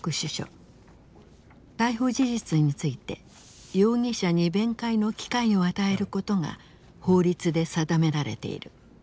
逮捕事実について容疑者に弁解の機会を与えることが法律で定められている。